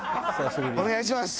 お願いします。